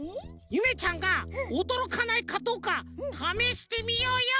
ゆめちゃんがおどろかないかどうかためしてみようよ！